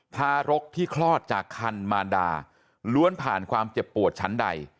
ทารกที่คลอดจากคันมารดาล้วนผ่านความเจ็บปวดชั้นใด